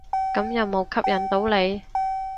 咁有無吸引到你？